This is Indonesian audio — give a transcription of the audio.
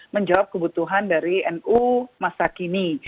menjawab kebutuhan dari nu masa kini